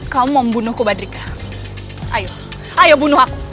kau membunuhku badrika ayo ayo bunuh aku